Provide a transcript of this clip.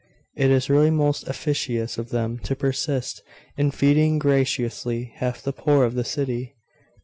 It is really most officious of them to persist in feeding gratuitously half the poor of the city!